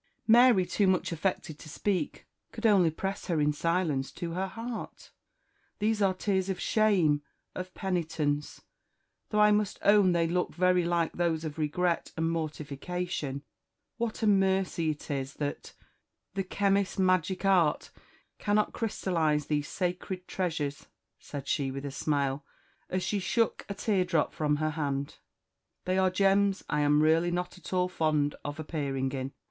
Mary, too much affected to speak, could only press her in silence to her heart. "These are tears of shame, of penitence, though I must own they look very like those of regret and mortification. What a mercy it is that 'the chemist's magic art' cannot 'crystalise these sacred treasures,'" said she with a smile, as she shook a tear drop from her hand; "they are gems I am really not at all fond of appearing in."